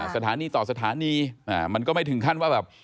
สถานีต่อสถานีมันก็ไม่ถึงขั้นว่าแบบ